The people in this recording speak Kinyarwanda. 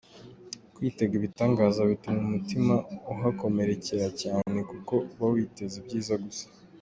Kwitega ibitangaza bituma umutima uhakomerekera cyane kuko uba witeze ibyiza gusa .